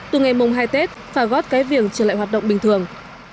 từ ngày mùng hai tết phà gót cái viềng trở lại hoạt động bình thường